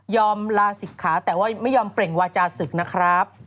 ลาศิกขาแต่ว่าไม่ยอมเปล่งวาจาศึกนะครับ